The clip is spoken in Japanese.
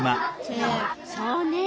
そうね。